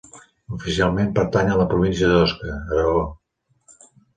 Oficialment pertany a la província d'Osca, a Aragó.